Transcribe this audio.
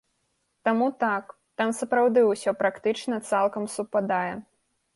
Таму так, там сапраўды ўсё практычна цалкам супадае.